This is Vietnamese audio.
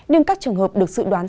nhưng các trường hợp được sự đoán